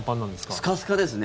スカスカですね。